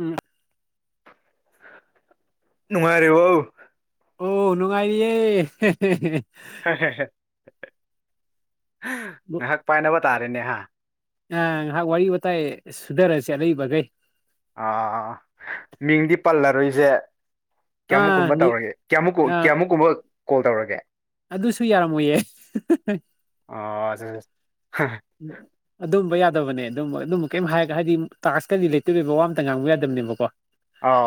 ꯎꯝ ꯅꯨꯉꯥꯏꯔꯤꯕꯣ ꯑꯣ ꯅꯨꯡꯉꯥꯏꯔꯤꯌꯦ ꯉꯥꯏꯍꯥꯛ ꯄꯥꯏꯅꯕꯅꯕ ꯇꯥꯔꯦꯅꯦ ꯍꯥ ꯑ ꯉꯥꯏꯍꯥꯛ ꯋꯥꯔꯤ ꯋꯥꯇꯥꯏ ꯁꯨꯙꯔꯁꯤ ꯑꯔꯩꯕꯒꯩ ꯑꯥ ꯃꯤꯡꯗꯤ ꯄꯜꯂꯔꯣꯏꯖ‌ꯦ ꯑꯥ ꯀꯌꯥꯃꯨꯛꯀꯨꯝꯕ ꯅꯤ ꯇꯧꯔꯒꯦ ꯀꯌꯥꯃꯨꯛꯀ ꯑꯥ ꯀꯌꯥꯃꯨꯛꯀꯨꯝꯕ ꯀꯣꯜ ꯇꯧꯔꯒꯦ ꯑꯗꯨꯁꯨ ꯌꯥꯔꯝꯃꫭꯏꯌꯦ ꯑꯣ ꯑꯗꯨꯕ ꯌꯥ ꯕꯅꯦ ꯑꯗꯨꯝ ꯑꯗꯨꯝ ꯀꯩꯝ ꯍꯥꯏꯔꯒ ꯍꯥꯏꯗꯤ ꯇꯁꯀꯗꯤ ꯂꯩꯇꯣꯏꯕ ꯋꯥ ꯑ ꯑꯃꯇ ꯉꯥꯡꯕ ꯌꯥꯗꯕꯅꯦꯕꯀꯣ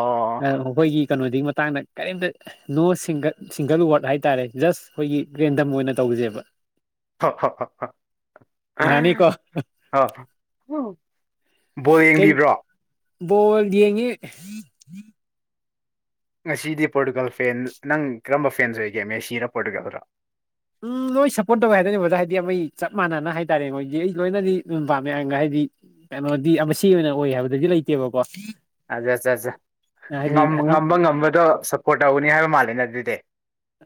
ꯑꯣ ꯑꯩꯈꫭꯏꯒꯤ ꯀꯩꯅꯣꯗꯨ ꯃꯠ ꯇꯥꯡꯗ ꯀꯔꯤꯝꯇ ꯅꯣ ꯁꯤꯡꯒꯜ ꯁꯤꯡꯒꯜ ꯋꯥꯔꯗ ꯍꯥꯏꯇꯥꯔꯦ ꯖꯁ ꯑꯩꯈꯣꯏꯒꯤ ꯔꯦꯟꯗꯝ ꯑꯣꯏꯅ ꯇꯧꯖ‌ꯦꯕ ꯍꯥ ꯍꯥ ꯌꯥꯅꯤꯀꯣ ꯍꯥ ꯍꯥꯎ ꯕꯣꯜ ꯀꯩ ꯌꯦꯡꯕꯤꯕ꯭ꯔꯣ ꯕꯣꯜ ꯌꯦꯉꯤ ꯉꯁꯤꯗꯤ ꯄꯣꯔꯇꯨꯒꯥꯜ ꯐꯦꯟ ꯅꯪ ꯀꯔꯝꯕ ꯐꯦꯟꯁꯨ ꯑꯣꯏꯒꯦ ꯃꯦꯁꯤꯔ ꯄꯣꯔꯇꯨꯒꯥꯜꯔꯣ ꯎꯝ ꯂꯣꯏ ꯁꯞꯄꯣꯔꯠ ꯇꯧꯋꯦ ꯍꯥꯏꯗꯣꯏꯕ ꯕꯖꯥ ꯍꯥꯏꯗꯤ ꯑꯩ ꯆꯞ ꯃꯥꯟꯅꯅ ꯍꯥꯏꯇꯥꯔꯦ ꯃꯣꯏꯗꯤ ꯑꯩ ꯂꯣꯏꯅꯗꯤ ꯑꯗꯨ ꯄꯥꯝꯃꯦ ꯑꯒ ꯍꯥꯏꯗꯤ ꯀꯩꯅꯣꯗꯤ ꯃꯁꯤ ꯑꯣꯏꯅ ꯑꯣꯏ ꯍꯥꯏꯕꯗꯨꯗꯤ ꯂꯩꯇꯦꯕꯀꯣ ꯑꯠꯆꯆꯆ ꯍꯥꯏꯗꯤ ꯉꯝꯕ ꯉꯝꯕꯗꯣ ꯁꯞꯄꯣꯔꯠ ꯇꯧꯒꯅꯤ ꯍꯥꯏꯕ ꯃꯥꯜꯂꯦꯅꯦ ꯑꯗꯨꯗꯤ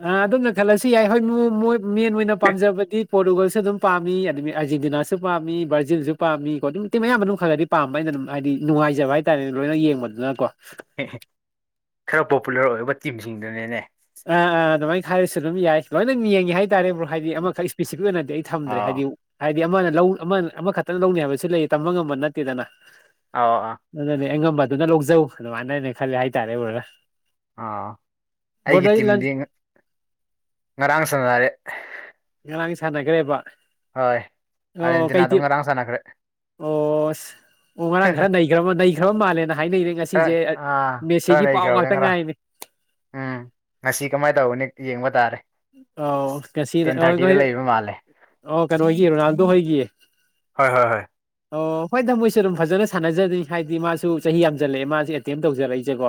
ꯑ ꯑꯗꯨꯝꯅ ꯈꯜꯂꯁꯨ ꯌꯥꯏ ꯍꯣꯏꯣꯏ ꯃꯦꯟ ꯑꯣꯏꯅ ꯄꯥꯝꯖꯕꯗꯤ ꯄꯣꯔꯇꯨꯒꯜꯁꯨ ꯑꯗꯨꯝ ꯄꯥꯝꯃꯤ ꯍꯥꯏ ꯑꯥꯔꯖꯦꯟꯇꯤꯅꯥꯁꯨ ꯄꯥꯝꯃꯤ ꯕ꯭ꯔꯥꯖꯤꯜꯁꯨ ꯄꯥꯝꯃꯤ ꯀꯣ ꯑꯗꯨ ꯅꯨꯇꯤ ꯃꯌꯥꯝ ꯃꯅꯨꯡ ꯈꯔꯗꯤ ꯄꯥꯝꯕ ꯑꯩꯅ ꯑꯗꯨꯝ ꯍꯥꯏꯗꯤ ꯅꯨꯡꯉꯥꯏꯖꯕ ꯍꯥꯏꯇꯥꯥꯔꯦꯅꯦ ꯂꯣꯏꯅ ꯌꯦꯡꯕꯗꯨꯅꯀꯣ ꯇꯤꯝꯁꯤꯡꯗꯨꯅꯦꯅꯦ ꯑꯥ ꯑꯥ ꯑꯗꯨꯃꯥꯏꯅ ꯊꯥꯏꯔꯤꯁꯨ ꯑꯗꯨꯝ ꯌꯥꯏ ꯂꯥꯏꯅ ꯌꯦꯡꯉꯤ ꯍꯥꯏ ꯍꯥꯏꯇꯥꯔꯦꯕ꯭ꯔꯣ ꯍꯥꯏꯗꯤ ꯑꯃꯈꯛ ꯏꯁꯄꯦꯁꯤꯐꯤꯛ ꯑꯣꯏꯅꯗꯤ ꯑꯩ ꯊꯝꯗ꯭ꯔꯦ ꯑꯥꯎ ꯍꯥꯏꯗꯤ ꯍꯥꯏꯗꯤ ꯑꯃꯅ ꯂꯧ ꯑꯃꯅ ꯑꯃꯈꯛꯇꯅ ꯂꯧꯅꯤ ꯍꯥꯏꯕꯁꯤ ꯂꯩꯌꯦ ꯇꯝꯕ ꯉꯝꯕ ꯅꯠꯇꯦꯗꯅ ꯑꯥꯎ ꯑꯥ ꯑꯗꯅꯦ ꯌꯦꯒꯝꯕ ꯑꯗꯨꯅ ꯂꯧꯖꯧ ꯑꯗꯨ ꯃꯥꯟꯅꯅꯦ ꯈꯜꯂꯦ ꯍꯥꯏꯇꯥꯔꯦꯕꯗ꯭ꯔꯥ ꯑꯥ ꯑꯩꯒꯤ ꯇꯤꯝꯗꯤ ꯉꯔꯥꯡ ꯁꯥꯟꯅꯔꯦ ꯉꯔꯥꯡ ꯁꯥꯟꯅꯈ꯭ꯔꯦꯕ ꯍꯣꯏ ꯑꯣ ꯀꯩ ꯑꯥꯔꯖꯦꯟꯇꯤꯅꯥꯗꯣ ꯉꯔꯥꯡ ꯁꯥꯟꯅꯈ꯭ꯔꯦ ꯑꯣ ꯑꯣ ꯉꯔꯥꯡ ꯈꯔ ꯅꯩꯈ꯭ꯔꯕ ꯍꯨꯝ ꯃꯥꯂꯦꯅ ꯈꯔ ꯑꯥ ꯈꯔ ꯄꯥꯎ ꯅꯩꯈ꯭ꯔꯕꯅꯦ ꯉꯥꯛꯇ ꯉꯔꯥꯡ ꯉꯥꯏꯅꯤ ꯎꯝ ꯉꯁꯤ ꯀꯃꯥꯏꯅ ꯇꯧꯒꯅꯤ ꯌꯦꯡꯕ ꯇꯥꯔꯦ ꯑꯣ ꯉꯁꯤꯗ ꯇꯦꯟ ꯊꯥꯔꯇꯤꯗ ꯅꯣꯢ ꯂꯩꯕ ꯃꯥꯜꯂꯦ ꯑꯣ ꯀꯩꯅꯣꯒꯤ ꯔꯣꯅꯥꯜꯗꯣ ꯍꯣꯏꯒꯤ ꯍꯣꯏ ꯍꯣꯏ ꯍꯣꯏ ꯑꯣ ꯍꯣꯏꯗ ꯃꯣꯏꯁꯨ ꯑꯗꯨꯝ ꯐꯖꯅ ꯁꯥꯟꯅꯖꯅꯤ ꯍꯥꯏꯗꯤ ꯃꯥꯁꯨ ꯆꯍꯤ ꯌꯥꯝꯖꯜꯂꯛꯑꯦ ꯃꯥꯁꯨꯦ ꯑꯦꯇꯦꯝ ꯇꯧꯖꯔꯛꯏꯁꯦꯀꯣ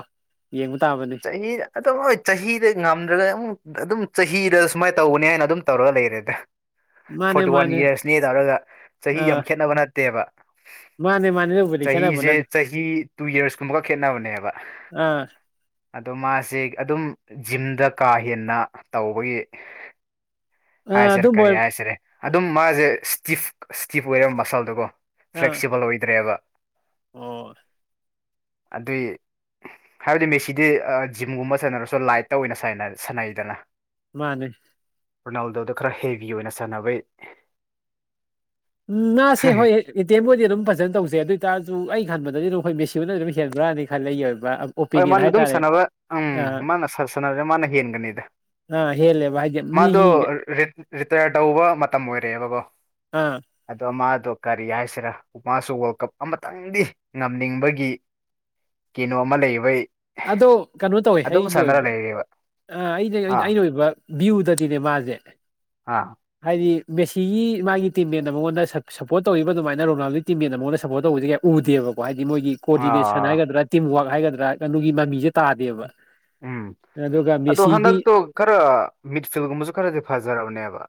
ꯌꯦꯡꯕ ꯇꯥꯕꯅꯤ ꯆꯍꯤ ꯑꯗꯨꯝ ꯍꯣꯏ ꯆꯍꯤꯗ ꯉꯝꯗ꯭ꯔꯒꯗꯤ ꯑꯗꯨꯝ ꯍꯤꯗ ꯁꯨꯃꯥꯏꯅ ꯇꯧꯒꯅꯤ ꯍꯥꯏꯅ ꯑꯗꯨꯝ ꯇꯧꯔꯒ ꯂꯩꯔꯦꯗ ꯃꯥꯅꯦ ꯐꯣꯔꯇꯤ ꯋꯥꯟ ꯃꯥꯅꯦ ꯏꯌꯔꯁꯅꯦ ꯇꯧꯔꯒ ꯆꯍꯤ ꯌꯥꯝ ꯑꯥ ꯈꯦꯠꯅꯕ ꯅꯠꯇꯦꯕ ꯃꯥꯅꯦ ꯃꯥꯅꯦ ꯑꯗꯨꯕꯨꯗꯤ ꯈꯦꯠꯅꯕ ꯆꯍꯤꯁꯦ ꯅꯠꯇꯦ ꯆꯍꯤ ꯇꯨ ꯏꯌꯔꯁ ꯀꯨꯝꯕꯀ ꯈꯦꯠꯅꯕꯅꯦꯕ ꯑꯥ ꯑꯗꯣ ꯃꯥꯁꯦ ꯑꯗꯨꯝ ꯖꯤꯝꯗ ꯀꯥ ꯍꯦꯟꯅ ꯇꯧꯕꯒꯤ ꯑꯥ ꯍꯥꯏꯁꯤꯔꯥ ꯑꯗꯨꯝ ꯀꯔꯤ ꯑꯣꯏ ꯍꯥꯏꯁꯤꯒꯦ ꯑꯗꯨꯝ ꯃꯥꯁꯦ ꯁ꯭ꯇꯤꯐ ꯁ꯭ꯇꯤꯐ ꯑꯣꯏꯔꯕ ꯃꯁꯥꯜꯗꯨꯒꯣ ꯑꯥ ꯐ꯭ꯂꯦꯛꯁꯤꯕꯜ ꯑꯣꯏꯗ꯭ꯔꯦꯕ ꯑꯣ ꯑꯗꯨꯏ ꯍꯥꯏꯕꯗꯤ ꯃꯦꯁꯤ ꯁꯤꯗꯤ ꯖꯤꯝꯒꯨꯝꯕ ꯁꯥꯟꯅꯔꯁꯨ ꯂꯥꯏꯠꯇ ꯑꯣꯏꯅ ꯁꯥꯟꯅꯩꯗꯅ ꯃꯥꯅꯦ ꯔꯣꯅꯥꯜꯗꯣꯗ ꯈꯔ ꯍꯦꯕꯤ ꯑꯣꯏꯅ ꯁꯥꯟꯅꯕꯩ ꯎꯝ ꯃꯥꯁꯦ ꯍꯣꯏ ꯑꯦꯇꯦꯝꯕꯨꯗꯤ ꯑꯗꯨꯝ ꯐꯖꯅ ꯇꯧꯖꯩ ꯑꯗꯨꯏꯇꯔꯁꯨ ꯑꯩ ꯈꯟꯕꯗꯗꯤ ꯑꯗꯨꯝ ꯍꯣꯏ ꯃꯦꯁꯤꯅ ꯑꯗꯨꯝ ꯍꯦꯟꯕ꯭ꯔꯥꯅꯤ ꯈꯜꯂ ꯑꯩꯒꯤ ꯑꯣꯏꯅ ꯍꯣꯏ ꯃꯥꯅ ꯑꯗꯨꯝ ꯁꯥꯟꯅꯕ ꯎꯝ ꯑꯥ ꯃꯥꯅ ꯁꯥꯟꯅꯕꯁꯦ ꯃꯥꯅ ꯍꯦꯟꯒꯅꯤꯗ ꯑꯥ ꯍꯦꯜꯂꯦꯕ ꯍꯥꯏꯗꯤ ꯃꯥꯗꯣ ꯃꯤꯒꯤ ꯔꯤꯇꯥꯌꯔ ꯇꯧꯕ ꯃꯇꯝ ꯑꯣꯏꯔꯦꯕꯀꯣ ꯑꯥ ꯑꯗꯣ ꯃꯥ ꯑꯗꯣ ꯀꯔꯤ ꯍꯥꯏꯁꯤꯔ ꯃꯥꯁꯨ ꯋꯥꯔꯜ ꯀꯥꯞ ꯑꯃꯇꯪꯗꯤ ꯉꯝꯅꯤꯡꯕꯒꯤ ꯀꯩꯅꯣ ꯑꯃ ꯂꯩꯌꯦ ꯕꯩ ꯑꯗꯣ ꯀꯩꯅꯣ ꯇꯧꯋꯦ ꯑꯩꯒꯤ ꯑꯣꯏꯕ ꯂꯩꯔꯦꯕ ꯑꯩꯅ ꯑꯥ ꯑꯩꯅ ꯑꯣꯏꯕ ꯚ꯭ꯌꯨꯗꯗꯤꯅꯦ ꯃꯥꯁꯦ ꯑꯥ ꯍꯥꯏꯗꯤ ꯃꯦꯁꯤꯒꯤ ꯃꯥꯒꯤ ꯇꯤꯝ ꯃꯦꯟ ꯃꯥꯉꯣꯟꯗ ꯁꯞꯄꯣꯔꯠ ꯇꯧꯔꯤꯕ ꯑꯗꯨꯃꯥꯏꯅ ꯔꯣꯅꯥꯜꯣꯒꯤ ꯇꯤꯝ ꯃꯦꯟ ꯃꯥꯉꯣꯟꯗ ꯁꯄꯣꯔꯠ ꯇꯧꯕꯁ ꯀꯌꯥ ꯎꯗꯦꯕꯀꯣ ꯍꯥꯏꯗꯤ ꯃꯣꯏꯒꯤ ꯀꯣꯑꯣꯗꯤꯅꯦꯁꯟ ꯑꯥ ꯍꯥꯏꯒꯗ꯭ꯔꯥ ꯇꯤꯝ ꯋꯥꯛ ꯍꯥꯏꯒꯗ꯭ꯔꯥ ꯑꯗꯨꯒꯤ ꯃꯃꯤꯁꯦ ꯇꯥꯗꯦꯕ ꯎꯝ ꯑꯗꯨꯒ ꯑꯗꯣ ꯃꯦꯁꯤꯗꯤ ꯍꯟꯗꯛꯇꯣ ꯈꯔ ꯃꯤꯠ ꯐꯤꯜꯒꯨꯝꯕꯁꯨ ꯈꯔꯗꯤ ꯐꯖꯔꯕꯅꯦꯕ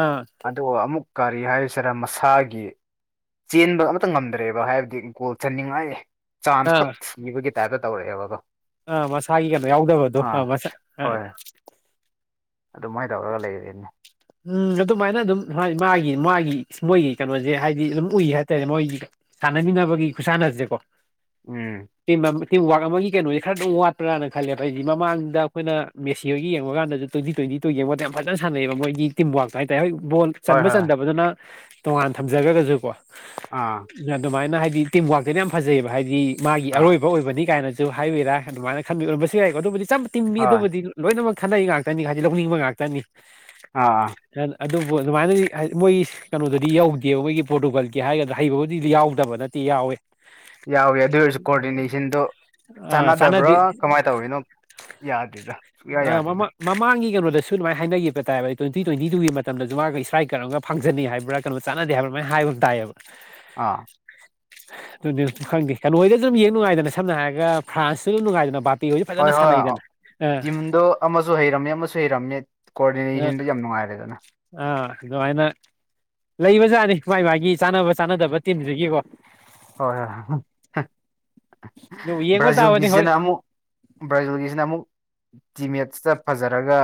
ꯑꯥ ꯑꯗꯨꯒ ꯑꯃꯨꯛ ꯀꯔꯤ ꯍꯥꯏꯔꯤꯁꯤꯔ ꯃꯁꯥꯒꯤ ꯆꯦꯟꯕ ꯑꯃꯇ ꯉꯝꯗ꯭ꯔꯦꯕ ꯍꯥꯏꯕꯗꯤ ꯒꯣꯜ ꯆꯥꯟꯅꯤꯡꯉꯥꯏ ꯆꯥꯟꯁ ꯈꯛ ꯊꯤꯕꯒꯤ ꯇꯥꯏꯞꯇ ꯇꯧꯔꯛꯑꯦꯕꯀꯣ [unintelligible] ꯃꯥꯒꯤ ꯀꯩꯅꯣ ꯌꯥꯎꯗꯕꯗꯣ ꯑꯥ ꯍꯣꯏ ꯑꯗꯨꯃꯥꯏꯅ ꯇꯧꯔꯒ ꯂꯩꯔꯤꯅꯦ ꯎꯝ ꯑꯗꯨꯃꯥꯏꯅ ꯑꯗꯨꯝ ꯃꯥꯒꯤ ꯃꯥꯒꯤ ꯃꯣꯏꯒꯤ ꯀꯩꯅꯣꯁꯦ ꯍꯥꯏꯗꯤ ꯑꯗꯨꯝ ꯎꯏ ꯍꯥꯏꯇꯥꯔꯦ ꯃꯣꯏꯒꯤ ꯁꯥꯟꯅꯃꯤꯟꯅꯅꯕꯒꯤ ꯈꯨꯠꯁꯥꯟꯅꯁꯦꯀꯣ ꯎꯝ ꯇꯤꯝꯋꯥꯛ ꯑꯃꯒꯤ ꯀꯩꯅꯣꯦ ꯈꯔ ꯑꯗꯨꯝ ꯋꯥꯠꯄ꯭ꯔꯥꯅ ꯈꯜꯂꯦꯕ ꯍꯥꯏꯗꯤ ꯃꯃꯥꯡꯗ ꯑꯩꯈꯣꯏꯅ ꯃꯦꯁꯤ ꯍ ꯌꯦꯡꯕ ꯀꯥꯟꯗꯁꯨ ꯇ꯭ꯋꯦꯟꯇꯤ ꯇ꯭ꯋꯦꯟꯇꯤ ꯇꯨ ꯌꯦꯡꯕ ꯃꯇꯝꯗ ꯌꯥꯝ ꯐꯖ ꯁꯥꯟꯅꯩꯌꯦꯕ ꯃꯣꯏꯒꯤ ꯇꯝꯋꯥꯛꯁ ꯍꯥꯏꯇꯥꯔ ꯍꯣꯏ ꯕꯣꯜ ꯍꯣꯏ ꯆꯟꯕ ꯍꯣꯏ ꯆꯟꯗꯕꯗꯨꯅ ꯇꯣꯉꯥꯟ ꯊꯝꯖꯈ꯭ꯔꯒꯁꯨ ꯀꯣ ꯑꯥ ꯌꯥ ꯑꯗꯨꯃꯥꯏꯅ ꯍꯥꯏꯗꯤ ꯇꯤꯝ ꯋꯥꯋꯥꯛꯛꯇꯗꯤ ꯌꯥꯝ ꯐꯖꯩꯑꯕ ꯍꯥꯏꯗꯤ ꯃꯥꯒꯤ ꯑꯥ ꯑꯔꯣꯏꯕ ꯑꯣꯏꯕꯅꯤ ꯀꯥꯏꯅ ꯁꯨ ꯍꯥꯏꯕꯤꯔꯥ ꯑꯗꯨꯃꯥꯏꯅ ꯈꯟꯕꯤꯔꯝꯕꯁꯨ ꯌꯥꯏꯀꯣ ꯑꯗꯨꯕꯨꯗꯤ ꯆꯆꯝ ꯇꯤꯡꯃꯤ ꯍꯣꯏ ꯑꯗꯨꯕꯨꯗꯤ ꯂꯣꯏꯅꯃꯛ ꯈꯠꯅꯩ ꯉꯥꯛꯇꯅꯤ ꯍꯥꯏꯗꯤ ꯂꯧꯅꯤꯡꯕ ꯉꯥꯛꯇꯅꯤ ꯑꯥ ꯑꯗꯨꯕꯨ ꯑꯗꯨꯃꯥꯏꯅ ꯃꯣꯏ ꯀꯩꯅꯣꯗꯗꯤ ꯌꯧꯗꯦꯕ ꯃꯣꯏꯒꯤ ꯄꯣꯔꯇꯨꯒꯜꯒꯤ ꯍꯥꯏꯒꯗ꯭ꯔꯥ ꯍꯩꯕꯕꯨꯗꯤ ꯌꯥꯎꯗꯕ ꯅꯠꯇꯦ ꯌꯥꯎꯋꯦ ꯌꯥꯎꯏꯤ ꯑꯗꯨ ꯑꯣꯏꯔꯁꯨ ꯀꯣꯑꯣꯗꯤꯅꯦꯁꯟꯗꯣ ꯑ ꯆꯥꯟꯅꯗꯦ ꯆꯥꯟꯅꯗꯕ꯭ꯔꯥ ꯀꯃꯥꯏꯅ ꯇꯧꯋꯤꯅꯣ ꯌꯥꯗꯣꯏꯗ ꯁꯨꯌꯥ ꯌꯥꯗꯣꯏꯗ ꯑꯗꯨꯁꯨ ꯑꯗꯨꯃꯥꯏ ꯍꯥꯏꯅꯈꯤꯕ ꯇꯥꯏꯕ ꯇ꯭ꯋꯦꯟꯇꯤ ꯇ꯭ꯋꯦꯟꯇꯤ ꯇꯨꯒꯤ ꯃꯇꯝꯗꯁꯨ ꯃꯥꯒ ꯏꯁꯔꯥꯏ ꯀꯔꯝꯒ ꯐꯥꯡꯪꯅꯤ ꯍꯥꯏꯕ꯭ꯔ ꯀꯣ ꯆꯥꯟꯅꯗꯦ ꯍꯥꯏꯕꯥꯥꯏꯅ ꯍꯥꯏꯕ ꯑꯃ ꯇꯥꯏꯑꯕ ꯑꯥ ꯑꯗꯨꯗꯤ ꯈꯪꯗꯦ ꯀꯩꯅꯣꯗ ꯑꯗꯨꯝ ꯌꯦꯡ ꯅꯨꯡꯉꯥꯏꯗꯅ ꯁꯝꯅ ꯍꯥꯏꯔꯒ ꯐ꯭ꯔꯥꯟꯁꯇꯁꯨ ꯑꯗꯨꯝ ꯅꯨꯡꯉꯥꯏꯗꯅ ꯚ ꯍꯣꯏ ꯍꯣꯏ ꯇꯤꯝꯗꯣ ꯑꯃꯁꯨ ꯍꯩꯔꯝꯃꯦ ꯑꯃꯁꯨ ꯍꯩꯔꯝꯃꯦ ꯑ ꯀꯣꯑꯣꯔꯗꯤꯅꯦꯁꯟꯗꯨ ꯌꯥꯝ ꯅꯨꯡꯉꯥꯏꯔꯦꯗꯅ ꯑ ꯑꯗꯨꯃꯥꯏꯅ ꯂꯩꯕꯖꯥꯠꯅꯤ ꯃꯥꯥꯏ ꯃꯥꯒꯤ ꯆꯥꯟꯅꯕ ꯆꯥꯟꯅꯗꯕ ꯇꯤꯝꯁꯤꯒꯤꯀꯣ ꯍꯣꯏ ꯍꯣꯏꯣꯏ ꯑꯗꯨꯕꯨ ꯌꯦꯡꯕ ꯇꯥꯕꯅꯤ ꯍꯣꯏ ꯕ꯭ꯔꯥꯖꯤꯜꯒꯤꯁꯤꯅ ꯑꯃꯨꯛ ꯕ꯭ꯔꯥꯖꯤꯜꯒꯤꯁꯤꯅ ꯑꯃꯨꯛ ꯇꯤꯃꯦꯠꯁꯤꯇ ꯐꯖꯔꯒ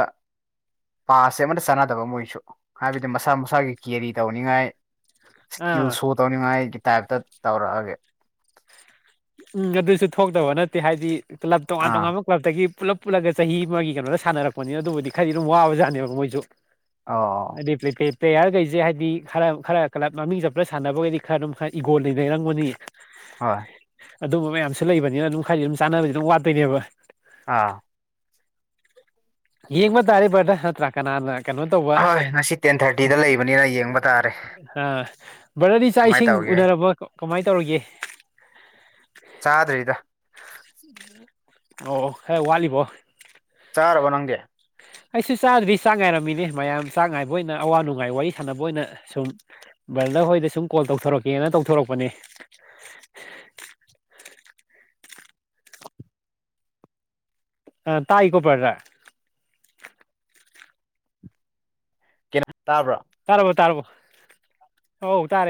ꯄꯁꯦ ꯑꯃꯠꯇ ꯆꯥꯟꯅꯗꯕ ꯑꯃ ꯑꯣꯏꯁꯨ ꯍꯥꯏꯕꯗꯤ ꯃꯁꯥ ꯃꯁꯥꯒꯤ ꯀꯦꯔꯤ ꯇꯧꯅꯤꯉꯥꯏ ꯑꯥ ꯏꯁꯀꯤꯜ ꯁꯣ ꯇꯧꯅꯤꯉꯥꯏ ꯇꯥꯏꯞ ꯇꯧꯔꯑꯒꯦ ꯎꯝ ꯑꯗꯨꯁꯨ ꯊꯣꯛꯇꯕ ꯅꯠꯇꯦ ꯍꯥꯏꯗꯤ ꯀ꯭ꯂꯕ ꯇꯣꯉꯥꯟ ꯑꯥ ꯇꯣꯉꯥꯟꯕ ꯀ꯭ꯂꯞꯇꯒꯤ ꯄꯨꯜꯂꯞ ꯄꯨꯜꯂꯒ ꯆꯍꯤ ꯑꯃꯒꯤ ꯀꯩꯅꯣꯗ ꯁꯥꯟꯅꯔꯛꯄꯅꯤꯅ ꯑꯗꯨꯕꯨꯗꯤ ꯈꯔꯗꯤ ꯑꯗꯨꯝ ꯋꯥꯕꯖꯥꯠꯅꯦꯕ ꯃꯣꯏꯁꯨ ꯑꯣ ꯑꯗꯤ ꯄꯔꯤꯛꯇ ꯄ꯭ꯂꯦꯌꯥꯔꯈꯩꯁꯦ ꯍꯥꯏꯗꯤ ꯈꯔ ꯈꯔ ꯀ꯭ꯂꯕ ꯃꯃꯤꯡ ꯆꯞꯄꯅ ꯁꯥꯟꯅꯕꯈꯩꯗꯤ ꯈꯔ ꯑꯗꯨꯝ ꯈꯔ ꯏꯒꯣꯜ ꯂꯩꯅꯩꯔꯪꯕꯅꯤ ꯍꯣꯏ ꯑꯗꯨꯝꯕ ꯃꯌꯥꯝꯁꯨ ꯂꯩꯕꯅꯤꯅ ꯑꯗꯨꯝ ꯈꯔꯗꯤ ꯑꯗꯨꯝ ꯆꯥꯅꯕꯗꯤ ꯑꯗꯨꯝ ꯋꯥꯠꯇꯣꯏꯅꯦꯕ ꯑꯥ ꯌꯦꯡ ꯃꯥ ꯇꯥꯔꯤꯕꯔ꯭ꯔ ꯍꯠꯇ꯭ꯔ ꯀꯅꯥꯥꯟ ꯀꯩꯅꯣ ꯇꯧꯕ ꯍꯣꯏ ꯉꯁꯤ ꯇꯦꯟ ꯊꯥꯔꯇꯤꯗ ꯂꯩꯕꯅꯤꯅ ꯌꯦꯡꯕ ꯇꯥꯔꯦ ꯑ ꯕ꯭ꯔꯗꯗꯤ ꯆꯥꯛ ꯀꯃꯥꯏꯅ ꯏꯁꯤꯡ ꯇꯧꯒꯦ ꯎꯅꯔꯕ ꯀꯃꯥꯏ ꯇꯧꯔꯤꯒꯦ ꯆꯥꯗ꯭ꯔꯤꯗ ꯎꯝ ꯑꯣ ꯈꯔ ꯋꯥꯠꯂꯤꯕꯣ ꯆꯥꯔꯕꯣ ꯅꯪꯗꯤ ꯑꯩꯁꯨ ꯆꯥꯗ꯭ꯔꯤ ꯆꯥꯛ ꯉꯥꯏꯔꯝꯃꯤꯅꯦ ꯃꯌꯥꯝ ꯆꯥꯛ ꯉꯥꯏꯕ ꯑꯣꯏꯅ ꯑꯋꯥ ꯅꯨꯡꯉꯥꯏ ꯋꯥꯔꯤ ꯁꯥꯟꯅꯕ ꯑꯣꯏꯅ ꯁꯨꯝ ꯕ꯭ꯔꯗ ꯍꯣꯏꯗ ꯁꯨꯝ ꯀꯣꯜ ꯇꯧꯊꯣꯔꯛꯀꯦꯅ ꯇꯧꯊꯣꯔꯛꯄꯅꯦ ꯑ ꯇꯥꯏ ꯀꯣꯄꯔ꯭ꯔ ꯀꯩꯅ ꯇꯥꯕ꯭ꯔꯥ ꯇꯥꯔꯕꯣ ꯇꯥꯔꯕꯣ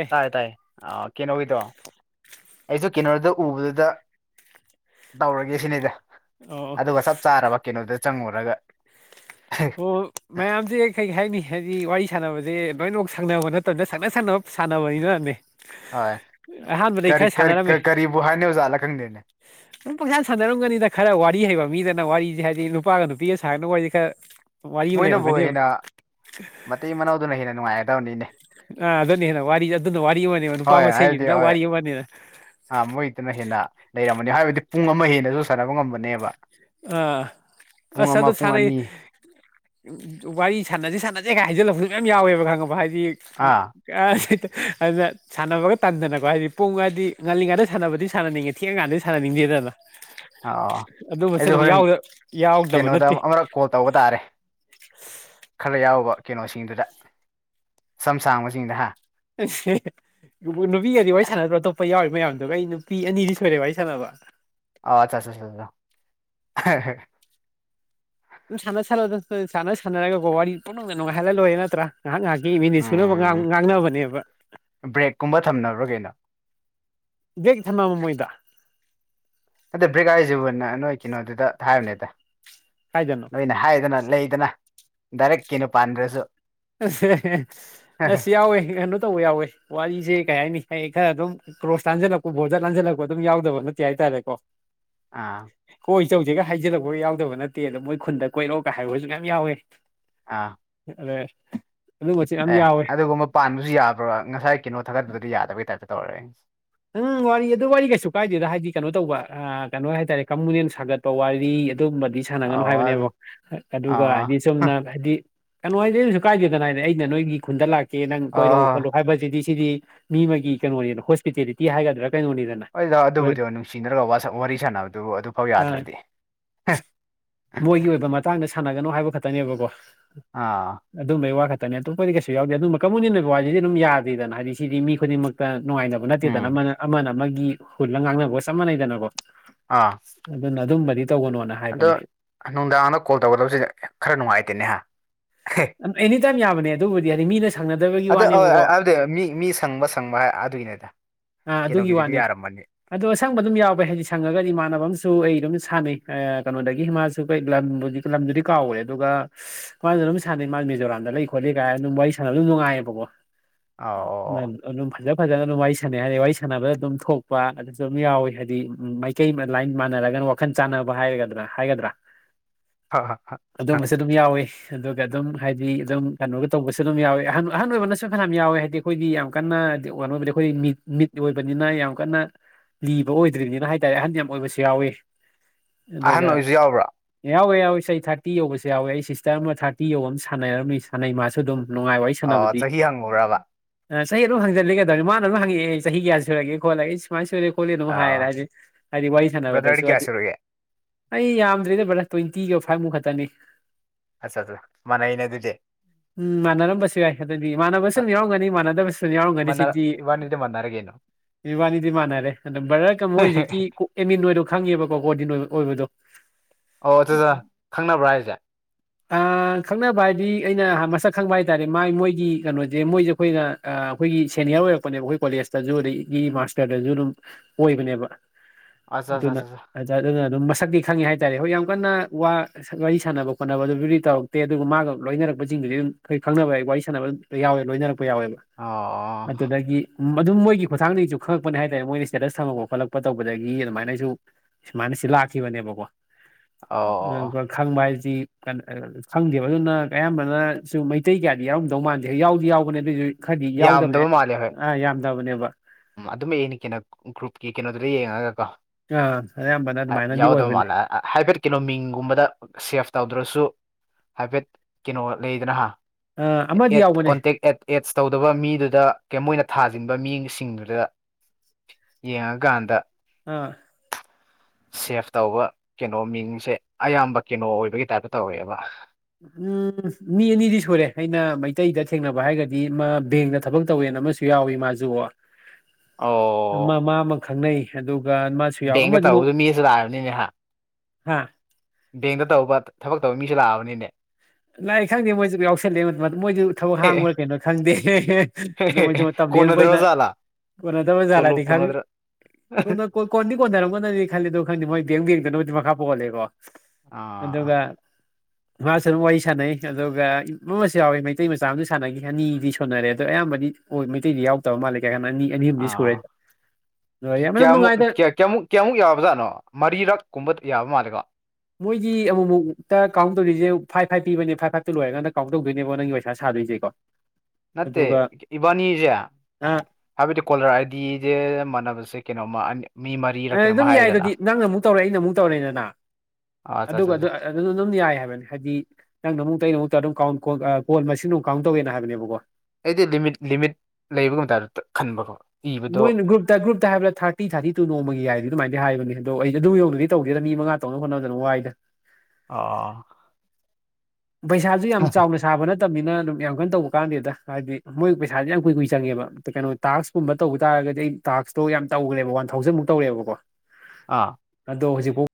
ꯇꯥꯔꯦ ꯇꯥꯏ ꯑ ꯀꯩꯅꯣꯒꯤꯗꯣ ꯑꯩꯁꯨ ꯀꯩꯅꯣꯗ ꯎꯕꯗꯨꯗ ꯇꯧꯔꯒꯦ ꯁꯤꯅꯦꯗ ꯑꯣ ꯑꯗꯨꯒ ꯁꯞ ꯆꯍꯔꯕꯅ ꯆꯪꯉꯨꯔꯒ ꯍꯣꯏ ꯃꯌꯥꯝꯁꯦ ꯀꯩ ꯍꯥꯏꯅꯤ ꯍꯥꯏꯗꯤ ꯋꯥꯔꯤ ꯁꯥꯟꯅꯕꯗ ꯑ ꯂꯣꯏꯅꯃꯛ ꯁꯪꯅꯕ ꯅꯠꯇꯝꯅ ꯁꯪꯅ ꯁꯪꯅꯕ ꯁꯥꯟꯅꯕꯅꯤꯅꯅꯦ ꯍꯣꯏ ꯑꯍꯥꯟꯕꯗꯩ ꯀꯔꯤ ꯈꯔ ꯀꯔꯤ ꯁꯥꯟꯅꯔꯝꯃꯦ ꯀꯔꯤꯕꯨ ꯍꯥꯏꯅꯕꯖꯥꯠꯂ ꯈꯪꯗꯦꯅꯦ ꯑꯗꯨꯝ ꯄꯪꯁꯥꯥꯟ ꯁꯥꯟꯅꯔꯝꯒꯅꯤꯗ ꯈꯔ ꯋꯥꯔꯤ ꯍꯩꯕ ꯃꯤꯗꯅ ꯋꯥꯔꯤꯖꯦ ꯍꯥꯏꯗꯤ ꯅꯨꯄꯥꯒ ꯅꯨꯄꯤꯒ ꯁꯥꯡꯅꯅꯕ ꯋꯥꯔꯤꯁꯦ ꯈꯔ ꯋꯥꯔꯤ ꯑꯃ ꯃꯣꯏꯅꯕꯨ ꯂꯩꯔꯝꯒꯅꯦꯕ ꯍꯦꯟꯅ ꯃꯇꯩ ꯃꯅꯥꯎꯗꯨꯅ ꯍꯦꯟꯅ ꯅꯨꯡꯉꯥꯏꯔꯗꯧꯅꯤꯅꯦ ꯑꯥ ꯑꯗꯨꯅꯦ ꯍꯦꯟꯅ ꯋꯥꯔꯤ ꯑꯗꯨꯅ ꯋꯥꯔꯤ ꯑꯣꯏꯅꯦꯕ ꯅꯨꯄꯥ ꯍꯣꯏ ꯍꯥꯏꯕꯗꯤ ꯃꯁꯦꯟꯒꯤꯗꯨꯅ ꯍꯣꯏ ꯋꯥꯔꯤ ꯑꯃꯅꯦꯅ ꯑꯥ ꯃꯣꯏꯗꯨꯅ ꯍꯦꯟꯅ ꯂꯩꯔꯝꯃꯅꯤ ꯍꯥꯏꯕꯗꯤ ꯄꯨꯡ ꯑꯃ ꯍꯦꯟꯅꯁꯨ ꯁꯥꯟꯅꯕ ꯉꯝꯕꯅꯦꯕ ꯑ ꯄꯨꯡ ꯑꯁ ꯑꯃ ꯑꯗꯨ ꯄꯨꯡ ꯁꯥꯅꯩ ꯑꯅꯤ ꯎ ꯋꯥꯔꯤ ꯁꯥꯟꯅꯖꯦ ꯁꯥꯟꯅꯖꯦ ꯀꯥꯏ ꯍꯥꯏꯖꯤꯜ ꯂꯛꯄꯁꯨ ꯃꯌꯥꯝ ꯌꯥꯎꯋꯦꯕ ꯈꯪꯉꯕ ꯍꯥꯏ ꯑꯥ [unintelligible] ꯑꯗꯨꯅ ꯁꯥꯟꯅꯕꯒ ꯇꯟꯗꯅꯀꯣ ꯍꯥꯏꯗꯤ ꯄꯨꯡ ꯍꯥꯏꯗꯤ ꯉꯜꯂꯤꯉꯩꯗ ꯁꯥꯟꯅꯕꯗꯤ ꯁꯥꯟꯅꯅꯤꯡꯉꯦ ꯊꯦꯡꯉ ꯀꯥꯟꯗꯗꯤ ꯁꯥꯟꯅ ꯅꯤꯡꯗꯦꯗꯅ ꯑ ꯑꯣ ꯑꯩꯁꯨ ꯍꯣꯔꯦꯟ ꯌꯥꯎꯗꯕ ꯀꯩꯅꯣꯗ ꯅꯠꯇꯦ ꯑꯃꯛ ꯀꯣꯜ ꯇꯧꯕ ꯇꯥꯔꯦ ꯈꯔ ꯌꯥꯎꯕ ꯀꯩꯅꯣꯁꯤꯡꯗꯨꯗ ꯁꯝ ꯁꯥꯡꯕꯁꯤꯡꯗ ꯍꯥ ꯅꯨꯄꯤꯒꯗꯤ ꯋꯥꯔꯤ ꯁꯥꯟꯅꯗ꯭ꯔꯣ ꯑꯇꯣꯞꯄ ꯂꯄ ꯌꯥꯎꯔꯤ ꯃꯌꯥꯝꯗꯨꯒ ꯑꯩ ꯅꯨꯄꯤ ꯑꯅꯤꯗꯤ ꯁꯣꯏꯔꯦꯕ ꯋꯥꯔꯤ ꯁꯥꯟꯅꯕ ꯑ ꯑꯠꯆꯥ ꯑꯗꯨꯝ ꯁꯥꯟꯅ ꯁꯥꯟꯅꯕ ꯁꯥꯟꯅ ꯁꯥꯟꯅꯔꯒꯀꯣ ꯋꯥꯔꯤ ꯄꯨꯛꯅꯤꯡꯗ ꯉꯥꯏꯜꯂ ꯂꯣꯏꯦ ꯅꯠꯇ꯭ꯔꯥ ꯉꯥꯏꯍꯥꯛ ꯉꯥꯏꯍꯥꯛꯀꯤ ꯃꯤꯅꯤꯠ ꯁꯨꯅꯕ ꯎꯝ ꯉꯥꯡꯅꯕꯅꯦꯕ ꯕ꯭ꯔꯦꯛꯀꯨꯝꯕ ꯊꯝꯅꯕ꯭ꯔꯣ ꯀꯩꯅꯣ ꯕꯦꯛ ꯊꯝꯃꯃ ꯃꯣꯏꯗ ꯑꯗ ꯕ꯭ꯔꯦꯛ ꯍꯥꯏꯔꯤꯁꯤꯕꯨꯅꯦ ꯅꯣꯏ ꯀꯩꯅꯣꯗꯨꯗ ꯊ ꯍꯥꯏꯕꯅꯦꯗ ꯀꯥꯏꯗꯅꯣ ꯅꯣꯏꯅ ꯍꯥꯏꯔꯦꯗꯅ ꯂꯩꯗꯅ ꯗꯥꯢꯔꯦꯛ ꯀꯦꯟꯅ ꯄꯥꯟꯒ꯭ꯔꯖꯨ ꯑꯁ ꯑꯁ ꯌꯥꯎꯋꯦ ꯀꯩꯅꯣ ꯇꯧꯕ ꯌꯥꯎꯋꯦ ꯋꯥꯔꯤꯁꯦ ꯀꯩ ꯍꯥꯏꯅꯤ ꯍꯥꯏ ꯈꯔ ꯑꯗꯨꯝ ꯀ꯭ꯔꯣꯁ ꯇꯥꯟꯖꯜꯂꯛꯄ ꯕꯣꯗꯔ ꯂꯥꯟꯖꯜꯂꯛꯄ ꯑꯗꯨꯝ ꯌꯥꯎꯗꯕ ꯅꯠꯇꯦ ꯍꯥꯏ ꯇꯥꯔꯦꯀꯣ ꯑꯥ ꯆꯧꯁꯤꯒꯦ ꯍꯥꯏꯖꯤꯜꯂꯛꯄꯒ ꯌꯥꯎꯗꯕ ꯅꯠꯇꯦ ꯑꯗ ꯃꯣꯏ ꯈꯨꯟꯗ ꯀꯣꯏꯔꯛꯎ ꯀꯥꯏ ꯍꯥꯏꯕꯁꯨ ꯌꯥꯝ ꯌꯥꯎꯋꯦ ꯑ ꯑ ꯑꯦ ꯑꯗꯨꯒꯨꯝꯕ ꯄꯥꯟꯕꯁꯨ ꯌꯥꯕ꯭ꯔꯣ ꯉꯁꯥꯏ ꯀꯩꯅꯣ ꯊꯥꯒꯠꯄꯗꯗꯤ ꯌꯥꯗꯕꯒꯤ ꯇꯥꯏꯞꯇ ꯇꯧꯔꯦ ꯎꯝ ꯋꯥꯔꯤ ꯑꯗꯨ ꯋꯥꯔꯤ ꯀꯩꯁꯨ ꯀꯥꯏꯗꯦꯗ ꯍꯥꯏꯗꯤ ꯀꯩꯅꯣ ꯇꯧꯕ ꯀꯩꯅꯣ ꯍꯥꯏꯇꯥꯔꯦ ꯀꯃꯨꯅꯦꯜ ꯁꯥꯒꯠꯄ ꯋꯥꯔꯤ ꯑꯗꯨꯕꯗꯤ ꯁꯥꯟꯅꯒꯅꯨ ꯍꯥꯏꯕꯅꯦꯕ ꯑꯣ ꯑꯗꯨꯒ ꯑ ꯍꯥꯏꯗꯤ ꯆꯨꯝꯅ ꯍꯥꯏꯗꯤ ꯀꯩꯅꯣ ꯍꯥꯏꯗꯤ ꯑꯩꯩꯅꯁꯨ ꯀꯥꯏꯗꯦꯗꯅ ꯍꯥꯏꯅꯦ ꯑꯩꯅ ꯅꯣꯏꯒꯤ ꯈꯨꯟꯗ ꯂꯥꯛꯀꯦ ꯑꯦ ꯅꯪ ꯀꯣꯏꯔꯛꯎ ꯈꯣꯠꯂꯨ ꯑ ꯍꯥꯏꯕꯁꯤꯗꯤ ꯁꯤꯗꯤ ꯃꯤ ꯑꯃꯒꯤꯒꯤ ꯀꯩꯅꯣꯅꯦꯅ ꯍ ꯄꯤꯦꯔꯤꯇꯤ ꯍꯥꯏꯒꯗ꯭ꯔꯥ ꯍ ꯏꯗ ꯑꯗꯨꯕꯨꯗꯤꯣ ꯅꯨꯡꯁꯤꯅꯔꯒ ꯋꯥꯔꯤ ꯁꯥꯟꯅꯕꯗꯨꯕꯨ ꯑꯗꯨꯐꯥꯎ ꯌꯥꯗ꯭ꯔꯗꯤ ꯁꯥꯟꯅꯒꯅꯣ ꯍꯥꯏꯕ ꯈꯛꯇꯅꯦꯕꯀꯣ ꯑꯥ ꯑꯗꯨꯝꯕꯩ ꯋꯥ [unintelligible] ꯑꯇꯣꯞꯄꯗꯤ ꯀꯩꯁꯨ ꯌꯥꯎꯗꯦ ꯑꯗꯨꯝꯕ ꯀꯃꯨꯅꯦꯜ ꯑꯣꯏꯕ ꯋꯥꯁꯤꯗꯤ ꯑꯗꯨꯝ ꯌꯥꯗꯦꯗꯅ ꯍꯥꯏꯗꯤ ꯁꯤꯗꯤ ꯃꯤ ꯈꯨꯗꯤꯡꯃꯛꯇ ꯅꯨꯡꯉꯥꯏꯅ ꯅ ꯎꯝ ꯃꯃꯅ ꯑꯃ ꯅ ꯃ ꯃꯤ ꯍꯨꯜꯂꯒ ꯉꯥꯡꯅꯕꯒ ꯆꯞꯃꯥꯅꯩꯗꯅꯀꯣ ꯑꯥ ꯑꯗꯨꯗ ꯑꯗꯨ ꯑꯗꯨꯝ ꯃꯔꯤ ꯑꯗꯣ ꯅꯨꯡꯗꯥꯡꯗ ꯀꯣꯜ ꯇꯧꯒꯗꯧꯕꯁꯤꯗ ꯈꯔ ꯅꯨꯡꯉꯥꯏ ꯇꯦꯅꯦꯍꯥ ꯑꯦꯅꯤꯇꯥꯏꯝ ꯌꯥꯕꯅꯦ ꯑꯗꯨꯕꯨꯗꯤ ꯍꯥꯏꯗꯤ ꯃꯤꯅ ꯁꯪꯅꯗꯕꯒꯤ ꯑꯗꯣ ꯋꯥꯅꯦꯕꯀꯣ ꯍꯥꯏꯕꯗꯤ ꯃꯤ ꯃꯤ ꯁꯪꯕ ꯁꯪꯕ ꯑꯗꯨꯒꯤꯅꯦꯗ ꯑꯥ ꯑꯗꯨꯒꯤ ꯀꯩꯅꯣꯒꯤꯗꯨꯗꯤ ꯋꯥꯅꯦ ꯌꯥꯔꯝꯃꯅꯤ ꯑꯗꯣ ꯑꯁꯪꯕ ꯑꯗꯨꯝ ꯌꯥꯎꯕꯩ ꯍꯥꯏꯗꯤ ꯁꯪꯉꯒꯗꯤ ꯏꯃꯥꯟꯅꯕ ꯑꯃꯁꯨ ꯑꯩ ꯑꯗꯨꯝ ꯁꯥꯟꯅꯩ ꯀꯅꯣꯗꯒꯤ ꯍꯤꯃꯥꯁꯨ ꯈꯣꯏ ꯂꯝꯕꯨꯗꯤ ꯂꯝꯗꯨꯗꯤ ꯀꯥꯎꯔꯦ ꯑꯗꯨꯒ ꯃꯥꯁꯨ ꯑꯗꯨꯝ ꯁꯥꯟꯅꯩ ꯃꯥ ꯃꯤꯖꯣꯔꯥꯝꯗ ꯂꯩ ꯈꯣꯠꯂꯦ ꯀꯥꯏꯅ ꯑꯗꯨꯝ ꯋꯥꯔꯤ ꯁꯥꯟꯅꯕ ꯑꯗꯨ ꯅꯨꯡꯉꯥꯏꯌꯦꯕꯀꯣ ꯑ ꯑꯣ [unintelligible] ꯑꯗꯨꯝ ꯐꯖ ꯐꯖꯅ ꯑꯗꯨꯝ ꯋꯥꯔꯤ ꯁꯥꯟꯅꯩ ꯍꯥꯏꯗꯤ ꯋꯥꯔꯤ ꯁꯥꯟꯅꯕꯗ ꯑꯗꯨꯝ ꯊꯣꯛꯄ ꯑꯗꯨꯁꯨ ꯑꯗꯨꯝ ꯌꯥꯎꯏꯤ ꯍꯥꯏꯗꯤ ꯎ ꯃꯥꯀꯩ ꯃ ꯂꯥꯏꯟ ꯃꯥꯟꯅꯔꯒꯅ ꯋꯥꯈꯜ ꯆꯥꯟꯅꯕ ꯍꯥꯏꯒꯗ꯭ꯔꯥ ꯍꯥꯏꯒꯗ꯭ꯔꯥ ꯑꯣ ꯑꯗꯨꯝꯕꯁꯨ ꯑꯗꯨꯝ ꯌꯥꯎꯋꯤ ꯁꯦꯟꯗ ꯑ ꯑꯗꯨꯝ ꯍꯥꯏꯗꯤ ꯑꯗꯨꯝ ꯀꯩꯅꯣꯒ ꯇꯧꯕꯁꯨ ꯑꯗꯨꯝ ꯌꯥꯎꯋꯦꯍ ꯑꯍꯟ ꯑꯣꯏꯕꯅꯁꯨ ꯐꯅꯌꯥꯝ ꯌꯥꯎꯋꯦ ꯍꯥꯏꯗꯤ ꯑꯩꯈꯣꯏꯗꯤ ꯌꯥꯝ ꯀꯟꯅ ꯍꯥꯏꯗꯤ ꯑꯣ ꯑꯣꯏꯕꯗꯤ ꯑꯩꯈꯣꯏ ꯃꯤꯠ ꯃꯤꯠ ꯑꯣꯏꯕꯅꯤꯅ ꯌꯥꯝ ꯀꯟꯅ ꯂꯤꯕ ꯑꯣꯏꯗ꯭ꯔꯤꯅꯤꯅ ꯍꯥꯏꯇꯥꯔꯦ ꯑꯍꯟ ꯌꯥꯝ ꯑꯣꯏꯕꯁꯨ ꯌꯥꯎꯋ ꯑꯍꯟ ꯑꯣꯏꯁꯨ ꯌꯥꯕ꯭ꯔꯥ ꯌꯥꯎꯋꯦ ꯌꯥꯎꯋꯦ ꯆꯍꯤ ꯊꯔꯇꯤ ꯌꯧꯕꯁꯨ ꯌꯥꯎꯋꯦ ꯑꯩ ꯁꯤꯁꯇꯔ ꯑꯃ ꯊꯥꯔ ꯇꯤ ꯌꯧꯝ ꯁꯥꯟꯅꯔꯝꯃꯤ ꯁꯥꯟꯅꯩ ꯃꯥꯁꯨ ꯑꯗꯨꯝ ꯅꯨꯡꯉꯥꯏ ꯋꯥꯔꯤ ꯑ ꯁꯥꯟꯅꯕꯗꯤ ꯆꯍꯤ ꯍꯪꯉꯨꯔꯕ ꯑ ꯆꯍꯤ ꯑꯗꯨꯝ ꯍꯪꯖꯤꯜꯜꯂꯤꯒꯗꯧꯅꯤ ꯃꯥꯅ ꯑꯗꯨꯝ ꯍꯪꯉꯑꯦ ꯆꯍꯤꯌꯥ ꯁꯨꯔꯒꯦ ꯈꯣꯠꯂꯒꯦ ꯁꯨꯥꯏ ꯁꯨꯔꯦ ꯈꯣꯂꯤꯅ ꯑꯃꯝꯛ ꯍꯥꯏꯌꯦꯔ ꯑ ꯍꯥꯏꯗꯤ ꯍꯥꯏꯗꯤ ꯋꯥꯔꯤ ꯕ꯭ꯔꯗꯔꯗꯤ ꯁꯥꯟꯅꯕꯗꯁꯨ ꯀꯌꯥ ꯍꯥꯏꯗꯤ ꯁꯨꯔꯒꯦ ꯑꯩ ꯌꯥꯝꯗ꯭ꯔꯦꯗ ꯕ꯭ꯔꯥ ꯇ꯭ꯋꯦꯟꯇꯤꯒ ꯐꯥꯏꯚꯃꯨꯛ ꯈꯛꯇꯅꯤ ꯑꯠꯆꯥ ꯑꯠꯆꯥ ꯃꯥꯟꯅꯩꯅꯦ ꯑꯗꯨꯗꯤ ꯎꯝ ꯃꯥꯟꯅꯔꯝꯕꯁꯨ ꯌꯥꯏ ꯑꯗꯨꯗꯤ ꯏꯃꯥꯟꯅꯕꯁꯨ ꯑꯗꯨꯝ ꯌꯥꯎꯔꯝꯒꯅꯤꯃꯥꯟꯅꯗꯕꯁꯨ ꯑꯗꯨꯝ ꯌꯥꯎꯔꯝꯒꯅꯤ ꯃꯥꯟꯅ ꯁꯤꯗꯤ ꯏꯕꯥꯅꯤꯗꯤ ꯃꯥꯟꯅꯔꯦ ꯀꯩꯅꯣ ꯏꯕꯥꯅꯤꯗꯤ ꯃꯥꯟꯅꯔꯦ ꯑꯣ ꯕꯔꯀ ꯃꯣꯏ ꯍꯧꯖꯤꯛꯀꯤ ꯑꯦꯃꯤꯟꯣꯏꯗꯣ ꯈꯪꯉꯦꯕꯀ ꯀꯣ ꯀꯣꯔꯣꯗꯤꯟꯣꯏ ꯑꯣꯏꯕꯗꯣ ꯑꯣ ꯑꯗꯨ ꯈꯪꯅꯕ꯭ꯔꯥ ꯍꯥꯏꯁꯦ ꯑꯥ ꯈꯪꯅꯕ ꯍꯥꯏꯗꯤ ꯑꯩꯅ ꯃꯁꯛ ꯈꯪꯕ ꯍꯥꯏꯇꯥꯔꯦ ꯃꯒꯤ ꯃꯣꯏꯒꯤ ꯀꯩꯅꯣꯁꯦ ꯃꯣꯏꯁꯦ ꯑꯩꯈꯣꯏꯅ ꯑꯩꯈꯣꯏꯒꯤ ꯁꯦꯅꯤꯌꯔ ꯑꯣꯏꯔꯛꯄꯅꯦꯕ ꯑꯩꯈꯣꯏ ꯀꯣꯂꯦꯖꯇꯖ ꯑꯩꯒꯤ ꯃꯥꯁꯇꯔꯗꯖ ꯑꯗꯨꯝ ꯑꯣꯏꯕꯅꯦꯕ ꯑꯠꯆꯥ ꯑꯠꯆꯥ ꯑꯗꯨꯅ ꯑꯠꯆꯥ ꯑꯠꯆꯥ ꯑꯗꯨ ꯑꯗꯨꯝ ꯃꯁꯛꯇꯤ ꯈꯪꯉꯤ ꯍꯥꯏꯇꯥꯔꯦ ꯍꯣꯏ ꯌꯥꯝ ꯀꯟꯅ ꯋꯥ ꯋꯥꯔꯤ ꯁꯥꯟꯅꯕ ꯈꯣꯠꯅꯕ ꯑꯗꯨꯕꯨꯗꯤ ꯇꯧꯔ ꯇꯦ ꯑꯗꯨꯒ ꯃꯥꯒ ꯂꯣꯏꯅꯔꯛꯄꯁꯤꯡꯗꯨꯗꯤ ꯑꯗꯨꯝ ꯑꯩꯈꯣꯏ ꯈꯪꯅꯕ ꯌꯥ ꯋꯥꯔꯤ ꯁꯥꯟꯅꯕ ꯌꯥꯎꯋꯦ ꯂꯣꯏꯅꯔꯛꯄ ꯌꯥꯎꯋꯦꯕ ꯑꯣ ꯑꯗꯨꯗꯒꯤ ꯑꯗꯨꯝ ꯃꯣꯏꯒꯤ ꯈꯨꯠꯊꯥꯡꯁꯤꯡꯁꯨ ꯈꯪꯉꯛꯄꯅꯦ ꯍꯥꯏꯇꯥꯔꯦ ꯃꯣꯏꯅ ꯁ꯭ꯇꯦꯇꯁ ꯊꯝꯃꯛꯄ ꯈꯣꯠꯂꯛꯄ ꯇꯧꯕꯗꯒꯤ ꯑꯗꯨꯃꯥꯏꯅꯁꯨ ꯁꯨꯃꯥꯏꯅ ꯁꯤ ꯂꯥꯛꯈꯤꯕꯅꯦꯕꯀꯣ ꯑꯣ ꯑꯣ ꯑ ꯈꯪ ꯃꯥ ꯁꯤ ꯀ ꯈꯪꯗꯦꯕ ꯑꯗꯨꯅ ꯑꯌꯥꯝꯕꯅ ꯁ ꯃꯩꯇꯩ ꯀꯌꯥꯗꯤ ꯌꯥꯎꯔꯝꯗꯧ ꯃꯥꯟꯗꯦ ꯌꯥꯎꯗꯤ ꯌꯥꯎꯕꯅꯦ ꯑꯗꯨꯏꯁꯨ ꯈꯔꯗꯤ ꯌꯥꯎꯗꯕꯅꯦ ꯌꯥꯝꯗꯕ ꯃꯥꯜꯂꯦ ꯍꯣꯏ ꯑꯥ ꯌꯥꯝ ꯕꯅꯦꯕ ꯎꯝ ꯑꯗꯨꯝ ꯌꯦꯡꯅꯤ ꯀꯩꯅꯣ ꯒ꯭ꯔꯨꯞꯀꯤ ꯀꯩꯅꯣꯗꯨꯗ ꯌꯦꯡꯉꯒ ꯀ ꯑꯥ ꯑꯌꯥꯝꯕꯅ ꯑꯗꯨꯃꯥꯏꯅꯗꯤ ꯌꯥꯎꯗꯕ ꯑꯣꯏꯕꯅꯦ ꯃꯥꯜꯂꯦ ꯍꯥꯏꯐꯦꯠ ꯀꯩꯅꯣ ꯃꯤꯡꯒꯨꯝꯕꯗ ꯁꯦꯞ ꯇꯧꯗ꯭ꯔꯁꯨ ꯍꯥꯏꯐꯦꯠ ꯀꯩꯅꯣ ꯂꯩꯗꯅꯍ ꯑꯥ ꯑꯃꯗꯤ ꯌꯥꯎꯕꯅꯦ ꯀꯣꯟꯇꯦꯛ ꯑꯦꯠꯁ ꯇꯧꯗꯕ ꯃꯤꯗꯨꯗ ꯀꯩꯣꯏꯅ ꯊꯥꯖ ꯕ ꯃꯤꯠꯡꯁꯤꯡꯗꯨꯅ ꯗ ꯌꯦꯡꯉꯀꯥꯟꯗ ꯑꯥ ꯁꯦꯐ ꯇꯧꯕ ꯀꯩꯅꯣ ꯃꯤꯡꯁꯦ ꯑꯌꯥꯝꯕ ꯀꯩꯅꯣ ꯑꯣꯏꯕꯒꯤ ꯇꯥꯏꯞꯇ ꯇꯧꯋꯦꯕ ꯎꯝ ꯃꯤ ꯑꯅꯤꯗꯤ ꯁꯨꯔꯦ ꯑꯩꯅ ꯃꯩꯇꯩꯗ ꯊꯦꯡꯅꯕ ꯍꯥꯏꯔꯒꯗꯤ ꯃꯥ ꯕꯦꯡꯗ ꯊꯕꯛ ꯇꯧꯋꯦꯅ ꯑꯃꯁꯨ ꯌꯥꯎꯏꯤ ꯃꯥꯁꯨ ꯑꯣ ꯃ ꯃꯥ ꯑꯃ ꯈꯪꯅꯩ ꯁꯗꯣ ꯕꯦꯡꯗ ꯇꯧꯕꯗꯣ ꯃꯤꯁꯨ ꯂꯥꯛꯑꯕꯅꯤꯅꯦꯍ ꯍꯥꯥ ꯕꯦꯡꯗ ꯇꯧꯕ ꯊꯕꯛ ꯇꯧꯕ ꯃꯤꯁꯨ ꯂꯥꯛꯑꯕꯅꯤꯅꯦ ꯂꯥꯛꯑ ꯈꯪꯗꯦ ꯃꯣꯏꯁꯨ ꯌꯥꯎꯁꯜꯂꯛꯑꯦ ꯃꯇꯝ ꯃꯇꯝ ꯃꯣꯏꯁꯨ ꯊꯕꯛ ꯑꯦ ꯍꯥꯡꯕ꯭ꯔꯥ ꯀꯩꯅꯣ ꯈꯪꯗꯦ ꯑꯗꯨ ꯃꯣꯏꯁꯨ ꯃꯇꯝ ꯂꯦꯟꯕ ꯀꯣꯟꯅꯗ꯭ꯔꯕ ꯑꯣꯏꯅ ꯖꯥꯠꯂꯥ ꯀꯣꯟꯅꯗꯕ ꯇꯣꯂꯣꯞ ꯖꯥꯠꯂꯗꯤ ꯈ ꯀꯣꯟꯅꯗ꯭ꯔ ꯀꯣꯟꯗꯤ ꯀꯣꯟꯅꯔꯝꯒꯅꯗꯤ ꯈꯜꯂꯤ ꯑꯗꯣ ꯈꯪꯗꯦ ꯃꯣꯏ ꯕꯦꯡ ꯌꯦꯡꯗꯅꯕꯕꯨꯗꯤ ꯃꯈꯥ ꯄꯣꯂꯦꯀꯣ ꯑꯥ ꯍ ꯁꯔ ꯋꯥ ꯁꯥꯟꯅꯩ ꯑꯗꯨꯒ ꯑꯃꯁꯨ ꯌꯥꯎꯋꯤ ꯃꯩꯇꯩ ꯃꯆꯥ ꯑꯃꯁ ꯁꯥꯟꯅꯈꯤ ꯑꯅꯤꯗꯤ ꯁꯣꯟꯅꯔꯦ ꯑꯗꯣ ꯑꯌꯥꯝꯕꯗꯤ ꯑꯣꯏ ꯃꯩꯇꯩꯗꯤ ꯌꯥꯎꯗꯕ ꯃꯥꯂꯦ ꯀꯩ ꯍꯥꯏ ꯑꯥ ꯑꯗꯣ ꯌꯥꯝꯅ ꯀꯌꯥꯃꯨꯛ ꯅꯨꯡꯉꯥꯏꯗ ꯀꯌꯥꯃꯨꯛ ꯀꯌꯥꯃꯨꯛ ꯌꯥꯕꯖꯥꯠꯅꯣ ꯃꯔꯤꯔꯛꯀꯨꯝꯕ ꯌꯥꯕ ꯃꯥꯜꯂꯦꯀꯣ ꯃꯣꯏꯗꯤ ꯑꯃꯨꯛꯃꯨꯛꯇ ꯀꯥꯎꯟ ꯇꯧꯔꯤꯁꯦ ꯐꯥꯏꯚ ꯐꯥꯏꯚ ꯄꯤꯕꯅꯦ ꯐꯥꯏꯚ ꯐꯥꯏꯚꯇ ꯂꯣꯏꯔꯒꯥꯟꯗ ꯀꯥꯎꯟ ꯇꯧꯗꯣꯏꯅꯦꯕꯣ ꯅꯪꯒꯤ ꯄꯩꯁꯥ ꯁꯥꯗꯣꯏꯁꯦꯀꯣ ꯅꯠꯇꯦ ꯑꯗꯨꯒ ꯏꯕꯥꯅꯤꯁꯦ ꯑꯥ ꯍꯥꯏꯕꯗꯤ ꯀꯣꯂꯔ ꯑꯥꯏꯗꯤꯁꯦ ꯃꯥꯟꯅꯕꯁꯦ ꯀꯩꯅꯣꯝꯃ ꯃꯤ ꯃꯔꯤꯔ ꯀꯩꯅꯣꯝꯃ ꯑꯗꯨꯝ ꯌꯥꯏ ꯍꯥꯏꯗꯅ ꯑꯗꯨꯗꯤ ꯅꯪꯅ ꯑꯃꯨꯛ ꯇꯧꯔꯦ ꯑꯩꯅ ꯑꯃꯨꯛ ꯇꯧꯔꯦꯗꯅ ꯑꯥ ꯑꯠꯆꯥ ꯑꯗꯨꯒ ꯑꯠꯆꯥ ꯑꯗꯨ ꯑꯠꯆꯥ ꯑꯗꯨ ꯑꯗꯨꯝ ꯌꯥꯏ ꯍꯥꯏꯕꯅꯤ ꯍꯥꯏꯗꯤ ꯅꯪꯅ ꯑꯃꯨꯛ ꯇꯩꯅ ꯑꯃꯨ ꯑꯗꯨꯝ ꯀꯥꯎꯟ ꯀꯣꯜ ꯃꯁꯤꯡꯝ ꯀꯥꯎꯟ ꯇꯧꯋꯦꯅ ꯍꯥꯏꯕꯅꯦꯕꯀꯣ ꯑꯩꯗꯤ ꯂꯤꯃꯤꯠ ꯂꯤꯃꯤꯠ ꯂꯩꯕꯒꯨꯝꯗ ꯈꯟꯕꯈꯣ ꯃꯣꯏꯅ ꯒ꯭ꯔꯨꯞꯇ ꯒ꯭ꯔꯨꯞꯇ ꯍꯥꯏꯕ꯭ꯔꯥ ꯊꯥꯔꯇꯤ ꯊꯥꯇꯤ ꯅꯣꯡꯃꯒꯤ ꯌꯥꯏ ꯑꯗꯨꯃꯥꯏꯅꯗꯤ ꯍꯥꯏꯕꯅꯤ ꯑꯗꯣ ꯑꯩ ꯑꯗꯨꯝ ꯌꯧꯅꯗꯤ ꯇꯧꯗꯦꯗ ꯃꯤ ꯃꯉꯥ ꯇꯧꯅꯕ ꯍꯣꯠꯅꯕꯗꯅ ꯋꯥꯏꯗ ꯑ ꯄꯩꯁꯥꯁꯨ ꯌꯥꯝ ꯆꯥꯎꯅ ꯁꯥꯕ ꯅꯠꯇꯦ ꯅꯠꯇꯕꯅꯤꯅ ꯑꯗꯨꯝ ꯌꯥꯝ ꯀꯟ ꯇꯧꯕ ꯀꯥꯟꯗꯦꯗ ꯍꯥꯏꯗꯤ ꯃꯣꯏ ꯄꯩꯁꯥꯥꯁꯦ ꯌꯥꯝ ꯀꯨꯏ ꯀꯨꯏ ꯆꯪꯉꯦꯕ ꯀꯩꯅꯣ ꯇꯥꯛꯁ ꯀꯨꯝꯕ ꯇꯧꯕ ꯇꯥꯔꯒꯗꯤ ꯑꯩ ꯇꯥꯛꯁꯇꯣ ꯌꯥꯝ ꯇꯧꯈ꯭ꯔꯦꯕ ꯋꯥꯟ ꯊꯥꯎꯖꯟꯃꯨꯛ ꯇꯧꯔꯦꯕꯀꯣ ꯑꯥ ꯑꯗꯣ ꯍꯧꯖꯤ